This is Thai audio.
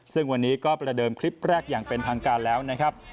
ซึ่งวันนี้ก็ประเดิมคลิปแรกอย่างเป็นทางการแล้วนะครับ